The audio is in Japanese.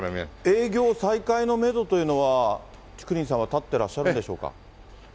営業再開のメドというのは、竹りんさんは立ってらっしゃるんでしょうか。